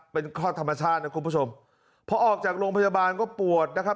เป็นคลอดธรรมชาตินะคุณผู้ชมพอออกจากโรงพยาบาลก็ปวดนะครับ